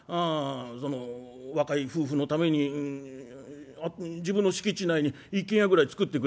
その若い夫婦のために自分の敷地内に一軒家ぐらい造ってくれる。